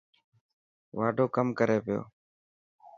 واڍو ڪم ڪري پيو.